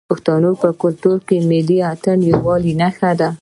د پښتنو په کلتور کې ملي اتن د یووالي نښه ده.